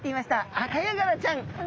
アカヤガラちゃん。